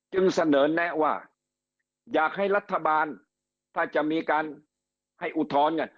สนสโนแนวะอยากให้รัฐบาลถ้าจะมีการให้อุทธรณ์